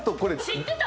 知ってた？